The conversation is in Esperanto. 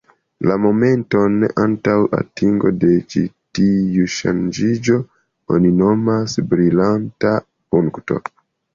La momenton antaŭ atingo de ĉi tiu ŝanĝiĝo oni nomas brilanta punkto.